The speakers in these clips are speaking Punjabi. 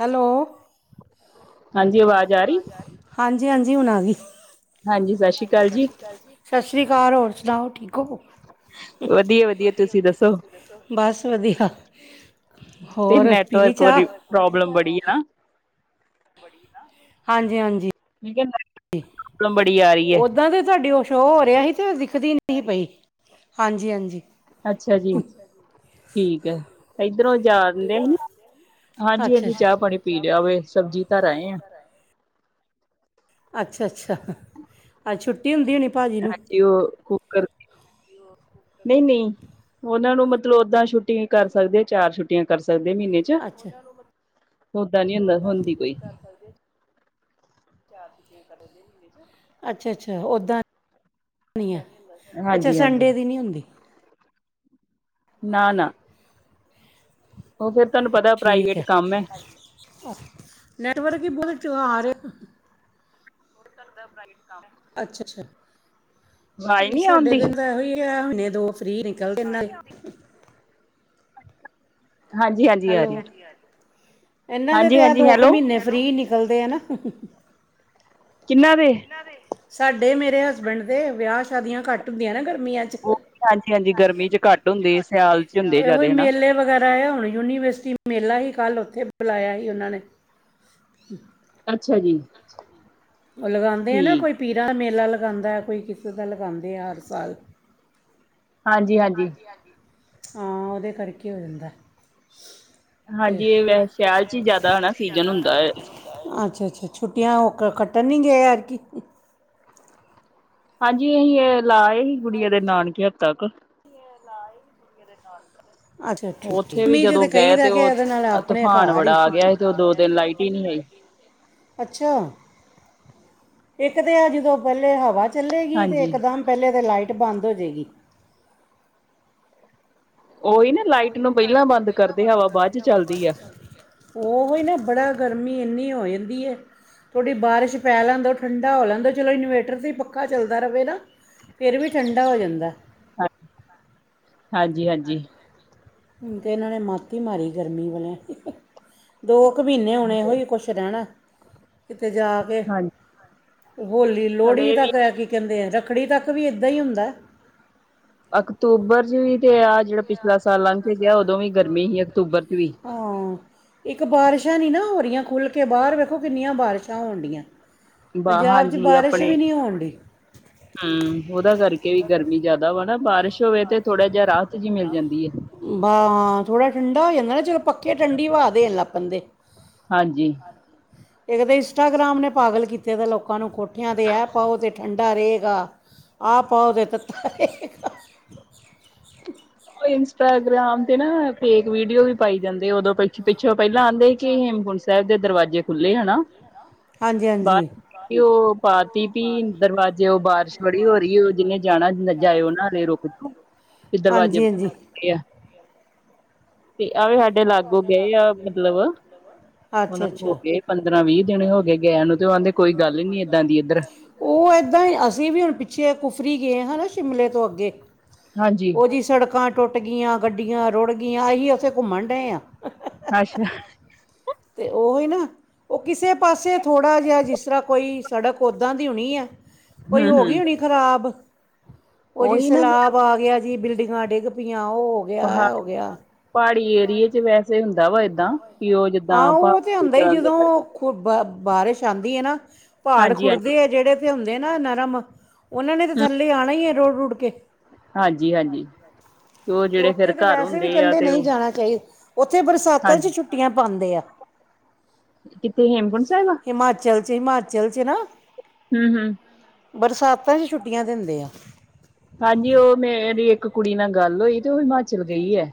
ਹੈਲੋ ਹਾਂਜੀ ਆਵਾਜ਼ ਆ ਰਹੀ ਹਾਂਜੀ ਹਾਂਜੀ ਹੁਣ ਆ ਗਈ ਹਾਂਜੀ ਸਤਿ ਸ਼੍ਰੀ ਅਕਾਲ ਜੀ ਸਤਿ ਸ਼੍ਰੀ ਅਕਾਲ ਹੋਰ ਸੁਣਾਓ ਠੀਕ ਹੋ ਵਧੀਆ ਵਧੀਆ ਤੁਸੀਂ ਦੱਸੋ ਬਸ ਵਧੀਆ ਤੇ ਹੋਰ ਪੀਲੀ ਨੈਟਵਰਕ ਬ ਚਾਹ ਪ੍ਰੋਬਲਮ ਬੜੀ ਹੈ ਨਾ ਬੜੀ ਨਾ ਹਾਂਜੀ ਹਾਂਜੀ [inaudible] ਪ੍ਰੋਬਲਮ ਬੜੀ ਆ ਰਹੀ। ਹੈ ਓਦਾਂ ਤੇ ਤੁਹਾਡੀ ਉਹ ਸ਼ੋਅ ਹੋ ਰਿਹਾ ਸੀ, ਤੇ ਉਹ ਦਿਖਦੀ ਨਹੀਂ ਸੀ ਪਈ, ਹਾਂਜੀ-ਹਾਂਜੀ। ਅੱਛਾ ਜੀ, ਠੀਕ ਆ, ਇਧਰੋ ਜਾਣਦੇ ਸੀ ਨਾ। ਅੱਛਾ ਹਾਂਜੀ-ਹਾਂਜੀ, ਚਾਹ ਅੱਛਾ ਪਾਣੀ ਪੀ ਲਿਆ ਵੇ, ਸਬਜ਼ੀ ਧਰ ਆਏ ਆ। ਅੱਛਾ-ਅੱਛਾ, ਅਹ, ਅੱਜ ਛੁੱਟੀ ਹੁੰਦੀ ਹੋਣੀ ਭਾਜੀ ਨੂੰ। ਹਾਂਜੀ ਉਹ ਕੁੱਕਰ ਡੀਓ ਖੂ ਕੁੱਕਰ [inaudible] ਨਹੀਂ ਨਹੀਂ ਉਹਨਾਂ ਨੂੰ ਮਤਲਬ, ਓਦਾਂ ਛੁੱਟੀਆਂ ਕਰ ਸਕਦੇ ਚਾਰ ਛੁੱਟੀਆਂ ਕਰ ਸਕਦੇ ਮਹੀਨੇ- ਅੱਛਾ ਓਦਾਂ ਨੀ ਹੁੰ ਹੁੰਦੀ ਪਈ। ਜਾ ਅੱਛਾ-ਅੱਛਾ ਓਦਾਂ ਨੀ ਆ ਅੱਛਾ, ਹਾਂਜੀ ਹਾਂਜੀ ਸੰਡੇ ਦੀ ਨਹੀਂ ਹੁੰਦੀ। ਨਾ-ਨਾ ਉਹ ਫਿਰ ਤੁਹਾਨੂੰ ਪਤਾ ਪ੍ਰਾਈਵੇਟ ਕੰਮ ਹੈ ਨੈਟਵਰਕ ਹੀ ਬਹੁਤ ਆ ਰਿਹਾ। ਅੱਛਾ, ਅੱਛਾ ਆਵਾਜ਼ ਨਹੀਂ ਨੀ ਸਾਡੇ ਆਉਂਦੀ ਦਿਨ ਤਾਂ ਇਹੋ ਹੀ। ਕਿਹਾ ਨੇ ਦੋ ਫਰੀ ਨਿਕਲ ਦੇ ਨਾ। ਹਾਂਜੀ-ਹਾਂਜੀ, ਹੈਲੋ ਇਹਨਾਂ ਦੇ ਤੇ ਆ ਦੋ ਕੁ ਹੈਲੋ ਮਹੀਨੇ ਫਰੀ ਨਿਕਲਦੇ ਆ ਨਾ। ਕਿੰਨਾ ਦੇ, ਸਾਡੇ, ਮੇਰੇ ਹਸਬੈਂਡ ਦੇ ਵਿਆਹ ਸ਼ਾਦੀਆਂ ਘੱਟ ਹੁੰਦੀਆਂ ਨਾ ਗਰਮੀਆਂ ਚ। ਉਹ ਹਾਂਜੀ ਹਾਂਜੀ ਹਾਂਜੀ-ਹਾਂਜੀ ਗਰਮੀ ਚ ਹੁੰਦੇ ਘੱਟ ਹੁੰਦੀ ਹੈ, ਹੁੰਦੇ ਸਿਆਲ ਚ, ਉਹੀ ਜ਼ਿਆਦੇ ਹਨਾ। ਮੇਲੇ ਵਗੈਰਾ, ਹੁਣ ਯੂਨੀਵਰਸਿਟੀ ਮੇਲਾ ਹੀ, ਕੱਲ੍ਹ ਉੱਥੇ ਬੁਲਾਇਆ ਸੀ ਉਹਨਾਂ ਨੇ। ਅੱਛਾ ਜੀ ਅੱਛਾ ਜੀ, ਉਹ ਲਗਾਉਂਦੇ ਆ ਨਾ ਠੀਕ। ਕੋਈ। ਪੀਰਾਂ ਮੇਲਾ ਲਗਾਦਾ ਏ, ਕੋਈ ਕਿਸੇ ਦਾ ਲਗਾਦੇ ਆ ਹਰ ਸਾਲ। ਹਾਂਜੀ ਹਾਂਜੀ ਹਾਂਜੀ-ਹਾਂਜੀ, ਹਾਂ ਉਹਦੇ ਕਰਕੇ ਹੋ ਜਾਂਦਾ। ਤੇ ਹਾਂਜੀ, ਏ ਵੈਸੇ ਸਿਆਲ ਚ ਹੀ ਜਿਆਦਾ ਹਨਾ, ਸੀਜਨ ਹੁੰਦਾ ਏ। ਅੱਛਾ-ਅੱਛਾ, ਛੁੱਟੀਆਂ ਉਹ ਕੱਟਣ ਨਹੀਂ ਗਏ ਏਦਕੀ। ਹਾਂਜੀ, ਅਸੀਂ ਏ ਲਾਏ ਸੀ ਗੁੜੀਆਂ ਦੇ ਨਾਨਕੇ ਹਫਤਾ ਕ। ਹਾਂ। ਅੱਛਾ ਉੱਥੇ ਠੀਕ ਵੀ ਜਦ ਜਦੋਂ ਕਹੀ ਗਏ ਦਾ ਤੇ ਕੇ ਉਹ ਇਹਦੇ ਨਾਲ ਆਪਣੇ ਤੂਫਾਨ ਘਰ ਈ ਬੜਾ ਆ ਗਿਆ ਸੀ ਤੇ ਉਹ ਦੋ ਦਿਨ ਲਾਈਟ ਹੀ ਨਹੀਂ ਆਈ [unintelligible] ਅੱਛਾ, ਇੱਕ ਤੇ ਆ ਜਦੋਂ ਪਹਿਲੇ ਹਵਾ ਚੱਲੇਗੀ ਤੇ ਹਾਂਜੀ। ਇਕਦਮ, ਪਹਿਲੇ ਤਾਂ ਲਾਈਟ ਬੰਦ ਹੋਜੇਗੀ। ਉਹੀ ਨਾ ਲਾਈਟ ਨੂੰ ਪਹਿਲਾਂ ਬੰਦ ਕਰਦੇ, ਹਵਾ ਬਾਅਦ ਚ ਚੱਲਦੀ ਆ। ਉਹ ਹੀ ਨਾ ਬੜਾ ਗਰਮੀ ਇੰਨੀ ਹੋ ਜਾਂਦੀ ਹੈ। ਥੋੜ੍ਹੀ ਬਾਰਿਸ਼ ਪੈ ਲੈਨ ਦੋ, ਠੰਡਾ ਹੋ ਲੈਨ ਦੋ, ਚਲੋ ਇਨਵੇਟਰ 'ਤੇ ਹੀ ਪੱਕਾ ਚੱਲਦਾ ਰਵੇ ਨਾ। ਫਿਰ ਵੀ ਠੰਡਾ ਹੋ ਜਾਂਦਾ। ਹਾਂਜੀ-ਹਾਂਜੀ। ਤੇ ਇਹਨਾਂ ਨੇ ਮਤ ਈ ਮਾਰੀ ਗਰਮੀ ਵਾਲਿਆਂ, ਦੋ ਕੁ ਮਹੀਨੇ ਹਣੇ ਇਹ ਹੋ ਹੀ ਕੁਛ ਰਹਿਣਾ, ਕਿਤੇ ਜਾ ਕੇ, ਹਾਂਜੀ ਹੋਲੀ ਲੋਹੜੀ ਹਲੇ ਤੱਕ ਵੀ ਕੀ ਕਹਿੰਦੇ ਆ, ਰੱਖੜੀ ਤੱਕ ਵੀ ਏਦਾਂ ਹੀ ਹੁੰਦਾ। ਅਕਤੂਬਰ ਚ ਵੀ, ਤੇ ਆਹ ਜਿਹੜਾ ਪਿਛਲਾ ਸਾਲ ਲੰਘ ਕੇ ਗਿਆ, ਉਦੋਂ ਵੀ ਗਰਮੀ ਸੀ ਅਕਤੂਬਰ ਚ ਵੀ। ਹਾਂ। ਇੱਕ ਬਾਰਿਸ਼ਾਂ ਨਹੀਂ ਨਾ ਹੋ ਰਹੀਆਂ ਖੁੱਲ੍ਹ ਕੇ ਬਾਹਰ ਵੇਖੋ ਕਿੰਨੀਆਂ ਬਾਰਿਸ਼ਾਂ ਹੋਣ ਢਿਆ। ਬਾ ਪੰਜਾਬ 'ਚ ਹਾਂਜੀ ਬਾਰਿਸ਼ ਵੀ ਨਹੀਂ ਹੋਣ ਡਈ। ਹੂੰ, ਉਹਦਾ ਕਰਕੇ ਗਰਮੀ ਜ਼ਿਆਦਾ ਵਾ ਨਾ ਬਾਰਿਸ਼ ਹੋਵੇ, ਤੇ ਥੋੜਾ ਜਿਹਾ ਰਾਹਤ ਜਿਹੀ ਮਿਲ ਜਾਂਦੀ ਏ। ਹਾਂ ਥੋੜਾ ਠੰਢਾ ਹੋ ਜਾਂਦਾ ਨਾ ਚਲੋ, ਪੱਕੇ ਠੰਢ ਵਾ ਦੇਣ ਲੱਗ ਪੈਂਦੇ। ਹਾਂਜੀ। ਇੱਕ ਤਾਂ ਇੰਸਟਾਗ੍ਰਾਮ ਨੇ ਪਾਗਲ ਕੀਤੇ ਦਾ ਲੋਕਾਂ ਨੂੰ, ਕੋਠਿਆਂ ਤੇ ਐ ਪਾਓ ਤੇ ਠੰਡਾ ਰਹੇਗਾ। ਆਹ ਆੳਗੇ ਉਹ ਇੰਸਟਾਗ੍ਰਾਮ ਤੇ ਨਾ ਫੇਕ ਵੀਡੀਓ ਵੀ ਪਾਈ ਜਾਂਦੇ ਉਦੋਂ ਪ ਪਿੱਛੋਂ ਪਹਿਲਾਂ ਆਦੇ ਸੀ, ਕਿ ਹੇਮਕੁੰਟ ਸਾਹਿਬ ਦੇ ਦਰਵਾਜ਼ੇ ਖੁੱਲ੍ਹੇ ਹੈਨਾ। ਹਾਂਜੀ ਹਾਂਸੀ। ਤੇ ਉਹ ਪਾ ਤੀ ਪੀਣ ਦਰਵਾਜ਼ੇਉੰ ਬਾਰਿਸ਼ ਬੜੀ ਹੋ ਰਹੀ ਉ ਜਿੱਨੇ ਜਾਣਾ ਜਾਇਓ ਨਾ ਹਲੇ ਰੁਕ ਕਿਥੋਂ? ਇਸ ਦਰਵਾਜ਼ੇ ਹਾਂਜੀ ਉੰ। ਹਾਂਜੀ ਤੇ ਆਵੇ ਹਾਡੇ ਲਾਗੋੰ ਗਏ ਆ ਮਤਲਬ ਅੱਛਾ ਉਹਨਾਂ ਨੂੰ ਹੋ ਅੱਛਾ ਗਏ ਪੰਦਰਾਂ ਵੀਹ ਦਿਨ ਹੋ ਗਏ ਗਇਆਂ ਨੂੰ ਤੇ ਉਹ ਆਂਦੇ ਕੋਈ ਗੱਲ ਹੀ ਨਹੀਂ ਇੱਦਾਂ ਦੀ ਇੱਧਰ। ਉਹ ਇੱਦਾਂ ਹੀ ਅਸੀਂ ਵੀ ਹੁਣ ਪਿੱਛੇ ਕੁਫਰੀ ਗਏ ਹਾਂ ਨਾ ਸ਼ਿਮਲੇ ਤੋਂ ਅੱਗੇ ਹਾਂਜੀ ਓ ਜੀ ਸੜਕਾਂ ਟੁੱਟ ਗਈਆਂ, ਗੱਡੀਆਂ ਰੁੜ ਗਈਆਂ, ਅਹੀ ਉੱਥੇ ਘੁੰਮਣ ਡਏ ਆਂ। ਅੱਛਾ, ਤੇ ਉਹੀ ਨਾ, ਉਹ ਕਿਸੇ ਪਾਸੇ ਥੋੜ੍ਹਾ ਜਿਹਾ, ਜਿਸ ਤਰ੍ਹਾਂ ਕੋਈ ਸੜਕ ਉੱਦਾਂ ਦੀ ਹੋਣੀ ਐ। ਕੋਈ ਹਮ ਹੋ ਹਮ ਗਈ ਹੋਣੀ ਖ਼ਰਾਬ, ਉਹ ਜੀ ਉਹੀ ਨਾ ਫਿਰ ਸਲਾਬ ਆ ਗਿਆ ਜੀ ਬਿਲਡਿੰਗਾਂ ਡਿੱਗ ਵੀਆਂ, ਹੋ ਪਹਾ ਗਿਆ-ਆ ਹੋ ਗਿਆ ਪਹਾੜੀ ਏਰੀਏ ਚ ਵੈਸੇ ਹੁੰਦਾ ਵਾ ਏਦਾਂ, ਕਿ ਉਹ ਜਿੱਦਾਂ ਪਹਾੜ ਤੇ ਜਾਂਦੇ ਕਰਕੇ। ਓਹ ਬ ਬਾਰਿਸ਼ ਆਂਦੀ ਏ ਨਾ, ਪਹਾੜ ਹਾਂਜੀ ਹਾਂਜੀ ਖੁੁਰਦੇ ਆ ਜਿਹੜੇ ਤੇ ਹੁੰਦੇ ਨਾ ਨਰਮ ਉਹਨਾਂ ਨੇ ਤਾਂ ਥੱਲੇ ਆਣਾ ਹੀ ਏ, ਰੁੜ-ਰੁੜ ਕੇ ਹਾਂਜੀ-ਹਾਂਜੀ ਤੇ ਉਥੇ ਤੇ ਵੈਸੇ ਵੀ ਆ ਕਹਿੰਦੇ ਤੇ ਨਹੀਂ ਉਹ ਜਾਣਾ ਚਾਹੀ, ਉੱਥੇ ਬਰਸਾਤਾਂ ਚ ਹਾਂਜੀ ਛੁੱਟੀਆਂ ਪਾਂਦੇ ਆ। ਕਿੱਥੇ, ਹੇਮਕੁੰਟ ਸਾਹਿਬ ਜੇ ਹਿਮਾਚਲ ਚ ਨਾ ਹੂੰ ਹੂੰ ਬਰਸਾਤਾਂ ਚ ਛੁੱਟੀਆਂ ਦਿੰਦੇ ਆ। ਹਾਂਜੀ ਉਹ ਮੇਰੀ ਇੱਕ ਕੁੜੀ ਨਾਲ ਗੱਲ ਹੋਈ ਤੇ ਉਹ ਹਿਮਾਚਲ ਗਈ ਐ।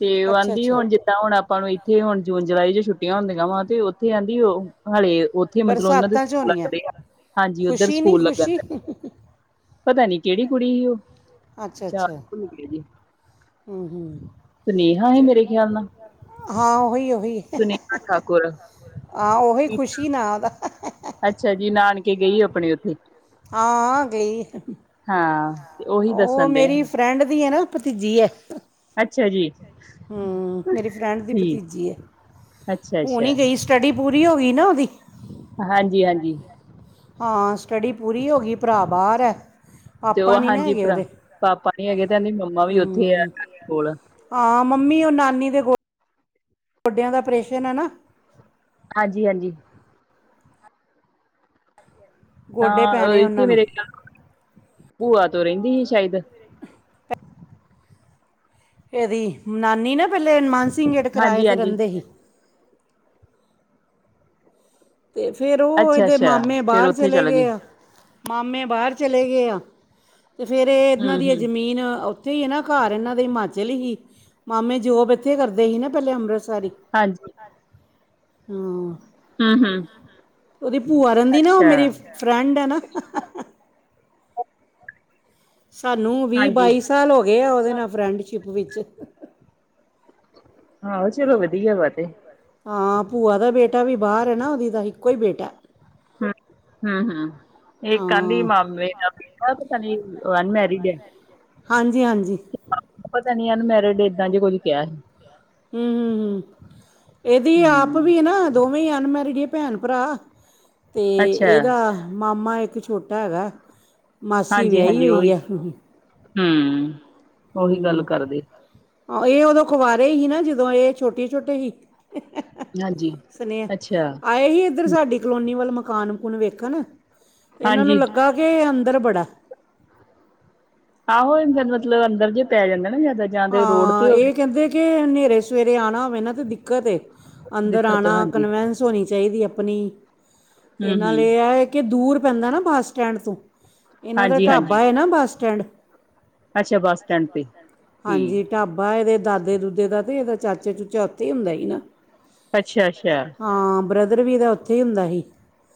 ਤੇ ਉਹ ਅੱਛਾ ਆਹਂਦੀ ਅੱਛਾ ਉੰਜ ਤਾਂ ਹੁਣ ਆਪਾਂ ਨੂੰ ਇੱਥੇ ਹੁਣ ਜੂਨ ਜੁਲਾਈ ਚ ਛੁੱਟੀਆਂ ਹੁੰਦੀਆਂ ਵਾ ਤੇ ਉੱਥੇ ਆਹਂਦੀ ਉਹ ਹਾਲੇ ਉੱਥੇ ਮਤਲਬ ਉਹਨਾਂ ਦੇ ਬਰਸਾਤਾਂ 'ਚ ਸਕੂਲ ਹੋਣੀ ਹੈ ਲੱਗਦੇ ਆ? ਹਾਂਜੀ ਉੱਧਰ ਖੁਸ਼ੀ ਨਹੀਂ ਸਕੂਲ ਲੱਗਣ ਖੁਸ਼ੀ ਡੇ। ਪਤਾ ਨੀ ਕਿਹੜੀ ਕੁੜੀ ਹੀ ਉਹ। ਅੱਛਾ ਅੱਛਾ-ਅੱਛਾ, ਭੁੱਲ ਹੂੰ-ਹੂੰ। ਸਨੇਹਾ ਹੀ ਮੇਰੇ ਖਿਆਲ ਨਾਲ ਹਾਂ ਉਹੀ-ਉਹੀ, ਸੁਨੇਹਾ ਠਾਕੁਰ ਹਾਂ ਉਹੀ ਖ਼ੁਸ਼ੀ ਨਾ ਉਹਦਾ ਅੱਛਾ ਜੀ ਨਾਨਕੇ ਗਈ ਆਪਣੇ ਉੱਥੇ ਹਾਂ ਗਈ ਹਾਂ ਤੇ ਉਹੀ ਉਹ ਦੱਸਣ ਮੇਰੀ ਦਈ ਫਰੈਂਡ ਦੀ ਇਹ ਨਾ ਭਤੀਜੀ ਏ ਅੱਛਾ ਜੀ, ਹੂੰ, ਮੇਰੀ ਫ੍ਰੈਂਡ ਦੀ ਠੀਕ ਭਤੀਜੀ ਏ, ਅੱਛਾ ਹੂਨ ਅੱਛਾ ਇ ਗਈ ਸਟੱਡੀ ਪੂਰੀ ਹੋ ਗਈ ਨਾ ਉਹਦੀ ਹਾਂਜੀ-ਹਾਂਜੀ ਹਾਂ, ਸਟੱਡੀ ਪੂਰੀ ਹੋ ਗਈ, ਭਰਾ ਬਾਹਰ ਹੈ ਤੇ ਪਾਪਾ ਉਹ ਨਹੀਂ ਨਾ ਹਾਂਜੀ ਹੈਗੇ ਭਰਾ ਉਹਦੇ ਪਾਪਾ ਨੀ ਹੈਗੇ ਤੇ ਆਂਦੀ ਮੰਮਾ ਵੀ ਉੱਥੇ ਆ ਹੂੰ ਹਾਡੇ ਕੋਲ। ਹਾਂ ਮੰਮੀ ਉਹ ਨਾਨੀ ਦੇ ਗ ਗੋਡਿਆਂ ਦਾ ਓਪ੍ਰੇਸ਼ਨ ਏ ਨਾ। ਹਾਂਜੀ-ਹਾਂਜੀ ਗੋਡੇ ਤਾਂ ਪੈਣੇ ਇੱਥੇ ਉਹਨਾਂ ਨੂੰ ਮੇਰੇ ਖ ਭੂਆ ਤੋਂ ਰਹਿੰਦੀ ਹੀ ਸ਼ਾਇਦ [unintelligible] ਇਹਦੀ ਨਾਨੀ ਨਾ ਪਹਿਲੇੇ ਹਨੁਮਾਨ ਸਿੰਘ ਗੇਟ ਕਿਰਾਏ ਹਾਂਜੀ ਤੇ ਹਾਂਜੀ ਰਹਿੰਦੇ ਹੀ। ਤੇ ਫੇਰ ਉਹ ਅੱਛਾ ਇਹਦੇ ਅੱਛਾ ਮਾਮੇ ਫੇਰ ਬਾਹਰ ਉੱਥੇ ਚਲੇ ਗਏ ਆ। ਮਾਮੇ ਬਾਹਰ ਚਲੇ ਗਏ ਆ, ਤੇ ਫੇਰ ਇਹ ਹੂੰ ਇਹਨਾਂ ਦੀ ਇਹ ਹੂੰ ਜ਼ਮੀਨ ਤੇ ਏਨਾ ਘਰ ਇਹਨਾਂ ਦੇ ਹਿਮਾਚਲ ਹੀ, ਮਾਮੇ ਜੋਬ ਇੱਥੇ ਕਰਦੇ ਹੀ ਨਾ ਪਹਿਲੇ ਅੰਮ੍ਰਿਤਸਰ ਹੀ। ਹਾਂਜੀ ਹੂੰ ਹੂੰ-ਹੂੰ ਉਹਦੀ ਭੂਆ ਰਹਿੰਦੀ ਨਾ ਉਹ ਮੇਰੀ ਫ-ਫ-ਫਰੈਂਡ ਏ ਨਾ। ਸਾਨੂੰ ਵੀਹ ਹਾਂਜੀ ਬਾਈ ਸਾਲ ਹੋ ਗਏ ਆ ਉਹਦੇ ਨਾਲ ਫਰੈਂਡਸ਼ਿਪ ਵਿੱਚ। ਹਾਂ, ਚਲੋ ਵਧੀਆ ਵਾ ਡੇ ਹਾਂ ਭੂਆ ਦਾ ਬੇਟਾ ਵੀ ਬਾਹਰ ਹੈ ਨਾ, ਉਹਦੀ ਤਾਂ ਇੱਕੋ ਹੀ ਬੇਟਾ ਐ। ਹੂੰ ਹੂੰ ਹੂੰ ਇਹ ਕਹਦੀ ਹਾਂ ਮਾਮੇ ਦਾ ਉਹ ਤਾਂ ਕਹਿੰਦੀ ਓ ਅਨਮੈਰਿਡ ਏ ਹਾਂਜੀ ਹਾਂਜੀ ਪਤਾ ਨੀ ਅਨਮੈਰਿਡ ਏਦਾਂ ਜ ਕੁੱਝ ਕਿਹਾ ਸੀ ਹੂੰ ਹੂੰ ਹੂੰ ਇਹਦੀ ਆਪ ਹੂੰ ਵੀ ਨਾ ਦੋਵੇਂ ਅਨਮੈਰਿਡ ਹੀ ਭੈਣ ਭਰਾ ਅਤੇ ਅੱਛਾ। ਇਹਦਾ ਮਾਮਾ ਇੱਕ ਛੋਟਾ ਹੈਗਾ ਮਾਸੀ ਵਿਆਹੀ ਹਾਂਜੀ-ਹਾਂਜੀ ਹੋਈ ਉਹੀ ਏ ਹੂੰ ਉਹੀ ਗੱਲ ਹੂ, ਕਰਦੇ ਇਹ ਉਦੋਂ ਕਵਾਰੇ ਸੀ ਨਾ, ਜਦੋਂ ਇਹ ਛੋਟੇ ਛੋਟੇ ਸੀ। ਹਾਂਜੀ। ਸਨੇਹ, ਅੱਛਾ, ਆਏ ਹੀ ਸਾਡੀ ਕਲੋਨੀ ਵੱਲ ਮਕਾਨ ਮਕੂਨ ਵੇਖਣ, ਇਹਨਾਂ ਨੂੰ ਹਾਂਜੀ। ਲੱਗਾ ਕਿ ਅੰਦਰ ਬੜਾ। ਆਹੋ, ਏਦਾ ਮਤਲਬ ਅੰਦਰ ਜੇ ਪੈ ਜਾਂਦਾ ਨਾ ਜ਼ਿਆਦਾ ਹਾਂ, ਇਹ ਕਹਿੰਦੇ ਕਿ ਹਨੇਰੇ ਸਵੇਰੇ ਆਉਣਾ ਹੋਵੇ ਨਾ ਤੇ ਦਿੱਕਤ ਏ, ਅੰਦਰ ਦਿੱਕਤ ਆਉਣਾ, ਹਾਂਜੀ। ਕਨਵਸ ਹੋਣੀ ਚਾਹੀਦੀ ਆਪਣੀ, ਤੇ ਹੂੰ-ਹੂੰ, ਨਾਲੇ ਇਹ ਹੈ ਕਿ ਦੂਰ ਪੈਂਦਾ ਨਾ ਬੱਸ ਸਟੈਂਡ ਤੋਂ, ਇਹਨਾਂ ਦਾ ਢਾਬਾ ਹਾਂਜੀ-ਹਾਂਜੀ ਹੈ ਨਾ ਬੱਸ ਸਟੈਂਡ। ਅੱਛਾ ਬੱਸ ਸਟੈਂਡ ਤੇ। ਠੀਕ ਹਾਂਜੀ ਢਾਬਾ ਇਹਦੇ ਦਾਦੇ ਦੂਦੇ ਦਾ, ਤੇ ਇਹਦਾ ਚਾਚੇ ਚੂਚਾ ਉੱਥੇ ਹੀ ਹੁੰਦਾ ਸੀ ਨਾ। ਅੱਛਾ ਅੱਛਾ ਹਾਂ ਬ੍ਰਦਰ ਵੀ ਤਾਂ ਉੱਥੇ ਹੀ ਹੁੰਦਾ ਸੀ,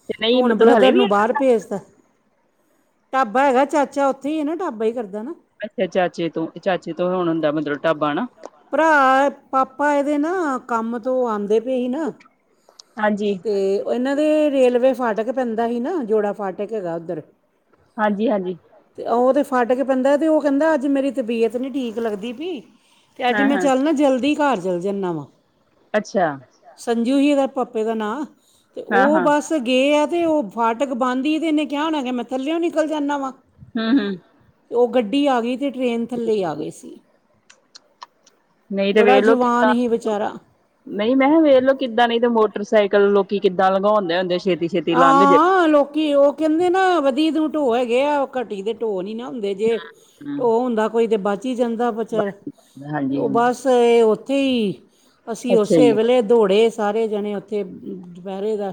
ਤੇ ਨਈ ਹੁਣ ਮਤਲਬ ਹਲੇ ਬ੍ਰਦਰ ਵੀ ਨੂੰ ਬਾਹਰ ਭੇਜ ਤਾ, ਢਾਬਾ ਹੈਗਾ ਚਾਚਾ ਉੱਥੇ ਹੀ ਨਾ, ਢਾਬਾ ਹੀ ਕਰਦਾ ਨਾ ਅੱਛਾ ਚਾਚੇ ਤੋਂ, ਚਾਚੇ ਤੋਂ ਹੁਣ ਹੁੰਦਾ, ਮਤਲਬ ਢਾਬਾ ਨਾ ਭਰਾ, ਪਾਪਾ ਇਹਦੇ ਨਾ ਕੰਮ ਤੋਂ ਆਉਂਦੇ ਪਏ ਹੀ ਨਾ ਹਾਂਜੀ ਤੇ ਇਹਨਾਂ ਦੇ ਰੇਲਵੇ ਫਾਟਕ ਪੈਂਦਾ ਸੀ ਨਾ, ਜੋੜਾ ਫਾਟਕ ਹੈਗਾ ਉੱਧਰ। ਹਾਂਜੀ ਹਾਂਜੀ ਤੇ ਉਹ ਦੇ ਫਾਟਕ ਪੈਂਦਾ ਐ, ਤੇ ਉਹ ਕਹਿੰਦਾ ਅੱਜ ਮੇਰੀ ਤਬੀਅਤ ਨਹੀਂ ਠੀਕ ਲਗਦੀ ਪਈ ਤੇ ਅੱਜ ਮੈਂ ਹਾਂ-ਹਾਂ, ਚੱਲਣਾ, ਜਲਦੀ ਘਰ ਚੱਲਾ ਜਾਂਨਾ ਵਾਂ। ਅੱਛਾ ਸੰਜੂ ਹੀ ਹੈ, ਉਹਦੇ ਪਾਪੇ ਦਾ ਨਾਂ, ਤੇ ਉਹ ਹਾਂ-ਹਾਂ, ਬਸ ਗਏ ਆ ਤੇ ਉਹ ਫਾਟਕ ਬੰਦ ਹੀ ਦੇ, ਤੇ ਇਹਨੇ ਕਿਹਾ ਹੋਣਾ ਕਿ ਮੈਂ ਥੱਲਿਓ ਨਿਕਲ ਜਾਂਦਾ ਵਾ। ਹੂ ਹੂ ਉਹ ਗੱਡੀ ਆ ਗਈ, ਤੇ ਟਰੇਨ ਥੱਲੇ ਹੀ ਆ ਗਏ ਸੀ। ਨਹੀਂ ਤੇ ਬੜਾ ਵੇਹ ਲੋ ਜਵਾਨ ਕਿਦਾਂ ਹੀ ਵਿਚਾਰਾ ਨਹੀਂ ਮੈਂ ਕਿਹਾ ਵੇਖਲੋ ਕਿੱਦਾਂ, ਨਹੀਂ ਤੇ ਮੋਟਰਸਾਈਕਲ ਲੋਕੀ ਕਿੱਦਾਂ ਲਗਾਉਂਦੇ ਹੁੰਦੇ ਛੇਤੀ-ਛੇਤੀ ਲੰਘ ਜੇ ਹਾਂ, ਲੋਕੀ ਉਹ ਕਹਿੰਦੇ ਨਾ ਵਧੀਤ ਨੂੰ ਢੋ ਹੈਗੇ ਐ, ਉਹ ਘਟੀ ਦੇ ਢੋ ਨੀ ਨਾ ਹੁੰਦੇ। ਜੇ ਹੂੰ, ਢੋਹ ਉਹ ਹੁੰਦਾ ਕੋਈ ਤਾਂ ਬਚੀ ਜਾਂਦਾ, ਬਚਾਰਾ ਉਹ ਹਾਂਜੀ-ਹਾਂਜੀ, ਬਸ ਐ ਉੱਥੇ ਹੀ, ਅਸੀਂ ਅੱਛਾ ਉਸੇ ਜੀ ਵੇਲੇ ਦੌੜੇ ਸਾਰੇ ਜਣੇ ਉੱਥੇ, ਦੁਪਹਿਰੇ ਦਾ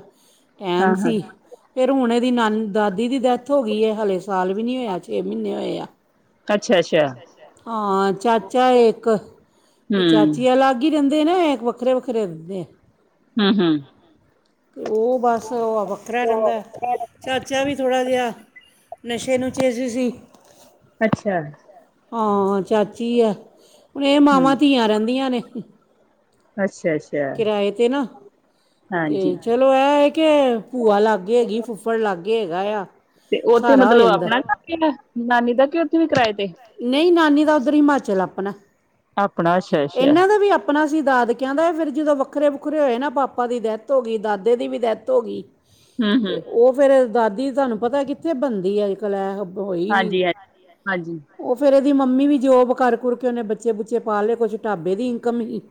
ਟਾਈਮ ਹਾਂ-ਹਾਂ, ਸੀ ਫਿਰ ਹੁਣ ਇਹਦੀ ਦਾਦੀ ਦੀ ਡੈਥ ਹੋ ਗਈ ਹੈ, ਹਾਲੇ ਸਾਲ ਵੀ ਨਹੀਂ ਹੋਇਆ, ਛੇ ਮਹੀਨੇ ਹੋਏ ਆ। ਅੱਛਾ-ਅੱਛਾ, ਹਾਂ ਚਾਚਾ ਹੈ ਇੱਕ, ਤੇ ਹੂੰ, ਚਾਚੀ ਅਲੱਗ ਇਕ ਹੀ ਰਿੰਦੇ ਨੇ, ਵੱਖਰੇ ਵੱਖਰੇ ਰਿੰਹਦੇ ਐ। ਹੂ ਹੂ ਤੇ ਉਹ ਬਸ ਉਹ ਵੱਖਰਾ ਰਹਿੰਦਾ, ਚਾਚਾ ਵੀ ਥੋੜ੍ਹਾ ਜਿਹਾ ਨਸ਼ੇ ਨੂੰਸ਼ੇ ਚੇ ਸੀ। ਅੱਛਾ, ਹਾਂ ਚਾਚੀ ਐ, ਹੁਣ ਇਹ ਹੂੰ, ਮਾਵਾਂ -ਧੀਆਂ ਰਹਿੰਦੀਆਂ ਨੇ। ਅੱਛਿਆ ਜੀ। ਕਿਰਾਏ 'ਤੇ ਨਾ, ਏ ਹਾਂਜੀ ਚਲੋ ਚਲੋ ਇਹ ਇਹ ਕਿ ਭੂਆ ਲਾਗੇ ਹੈਗੀ, ਫੁੱਫੜ ਲਾਗੇ ਹੈਗਾ ਆ ਤੇ ਉੱਥੇ ਸਹਾਰਾ ਹੋ ਮਤਲਬ ਜਾਂਦਾ ਆਪਣਾ ਘਰ ਵੀ ਹੈ, ਨਾਨੀ ਦਾ ਕੇ ਉੱਥੇ ਵੀ ਕਿਰਾਏ ਤੇ। ਨਹੀਂ ਨਾਨੀ ਦਾ ਉੱਧਰ ਹਿਮਾਚਲ ਆਪਣਾ, ਆਪਣਾ ਅੱਛਾ-ਅੱਛਾ, ਇਹਨਾਂ ਦਾ ਵੀ ਆਪ ਆਪਣਾ ਸੀ ਦਾਦਕਿਆਂ ਦਾ ਐ, ਫਿਰ ਜਦੋਂ ਵੱਖਰੇ ਵੱਖਰੇ ਹੋਏ ਨਾ ਪਾਪਾ ਦੀ ਡੈਥ ਹੋ ਗਈ, ਦਾਦੇ ਦੀ ਵੀ ਡੈਥ ਹੋ ਗਈ। ਤੇ ਹੂੰ-ਹੂੰ, ਉਹ ਫੇਰ ਦਾਦੀ ਤੁਹਾਨੂੰ ਪਤਾ ਕਿੱਥੇ ਬਣਦੀ ਐ, ਅੱਜ ਕੱਲ ਇਹ ਹੋਈ ਨਹੀਂ ਹਾਂਜੀ ਹਾਂ ਹਾਂਜੀ ਉਹ ਫਿਰ ਇਹਦੀ ਮੰਮੀ ਵੀ ਜੋਬ ਕਰ ਕੁੁਰ ਕੇ ਉਹਨੇ ਬੱਚੇ ਬੁੱਚੇ ਪਾ ਲਏ, ਕੁਛ ਢਾਬੇ ਦੀ ਇਨਕਮ ਸੀ।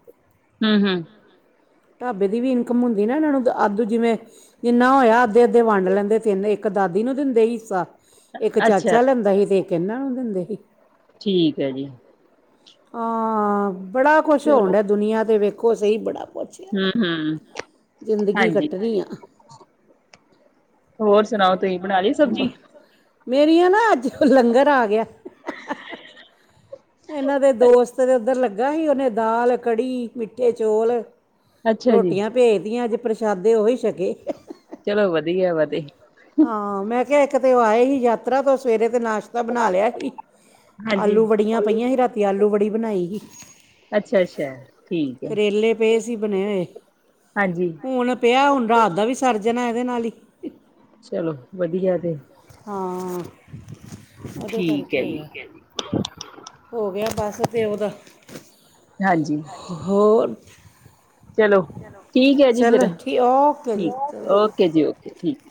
ਹੂ ਹੂ ਢਾਬੇ ਦੀ ਵੀ ਇਨਕਮ ਹੁੰਦੀ ਨਾ ਇਹਨਾਂ ਨੂੰ, ਆਦੂ ਜਿਵੇਂ ਜਿੰਨਾ ਹੋਇਆ ਅੱਧੇ -ਅੱਧੇ ਵੰਡ ਲੈਂਦੇ ਤਿੰਨੇ, ਇੱਕ ਦਾਦੀ ਨੂੰ ਦਿੰਦੇ ਹਿੱਸਾ। ਇੱਕ ਅੱਛਾ ਚਾਚਾ ਲੈਂਦਾ ਸੀ, ਤੇ ਇੱਕ ਇਹਨਾਂ ਨੂੰ ਦਿੰਦੇ ਸੀ। ਠੀਕ ਐ ਜੀ। ਬੜਾ ਕੁਛ ਹੋਣ ਚਲੋ ਡਿਆ ਦੁਨੀਆਂ ਤੇ, ਵੇਖੋ ਸਹੀ ਬੜਾ ਕੁਛ। ਹੂੰ-ਹੂੰ, ਜ਼ਿੰਦਗੀ ਹਾਂਜੀ, ਕੱਟਣੀ ਆ। ਹੋਰ ਸੁਣਾਓ, ਤੁਸੀਂ ਬਣਾ ਲੀ ਸਬਜ਼ੀ। ਮੇਰੀਆਂ ਨਾ ਅੱਜ ਉਹ ਲੰਗਰ ਆ ਗਿਆ, ਹ-ਹ-ਹ-ਹ ਇਹਨਾਂ ਦੇ ਬਸ ਕਹਿੰਦੇ ਓਧਰ ਲੱਗਾ ਸੀ, ਉਹਨੇ ਦਾਲ, ਕੜ੍ਹੀ, ਮਿੱਠੇ ਚੋਲ, ਅੱਛਾ ਜੀ। ਰੋਟੀਆਂ ਭੇਜਦੀਆਂ, ਅੱਜ ਪ੍ਰਸ਼ਾਦੇ ਓਹੀ ਛਕੇ। ਚਲੋ ਵਧੀਆ, ਵਧੀ ਹਾਂ ਮੈਂ ਕਿਹਾ, ਇੱਕ ਤੇ ਉਹ ਆਏ ਹੀ ਯਾਤਰਾ ਤੋਂ ਸਵੇਰੇ ਤੇ ਨਾਸ਼ ਬਣਾ ਲਿਆ ਸੀ, ਹਾਂਜੀ। ਆਲੂ ਬੜੀਆਂ ਪਈਆਂ ਸੀ, ਰਾਤੀ ਆਲੂ ਬੜੀ ਬਣਾਈ। ਅੱਛਾ ਅੱਛਾ, ਠੀਕ ਹੈ, ਕਰੇਲੇ ਪਏ ਸੀ ਬਣੇ ਹੋਏ, ਹਾਂਜੀ। ਹੁਣ ਪਿਆ, ਹੁਣ ਰਾਤ ਦਾ ਵੀ ਸਰ ਜਾਣਾ ਇਹਦੇ ਨਾਲ ਹੀ। ਚਲੋ ਵਧੀਆ ਜੇ ਹਾਂ, ਉਹਦੇ ਠੀਕ ਕਰਕੇ ਹੈ ਜੀ। ਈ ਐ। ਹੋ ਗਿਆ ਬਸ ਤੇ ਉਹਦਾ ਨਾ ਜੀ, ਹੋਰ, ਚਲੋ ਠੀਕ ਹੈ ਜੀ ਫੇਰ, ਚਲੋ ਓਕੇ ਜੀ ਠੀਕ, ਚਲੋ ਓਕੇ ਜੀ- ਓਕੇ, ਠੀਕ।